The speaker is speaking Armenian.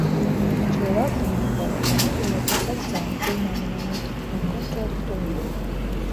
Ջերրարդը ունի բավականին յուրատեսակ ձայն, որն ամենամոտիկ է կոնտրալտոյին։